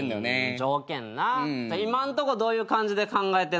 今んとこどういう感じで考えてんの？